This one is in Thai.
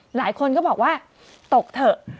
หลายคนก็บอกว่าตกเถอะ